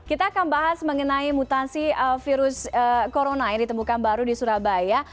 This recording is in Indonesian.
kita akan bahas mengenai mutasi virus corona yang ditemukan baru di surabaya